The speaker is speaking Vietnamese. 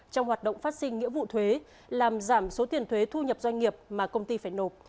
trong hoạt động phát sinh nghĩa vụ thuế làm giảm số tiền thuế thu nhập doanh nghiệp mà công ty phải nộp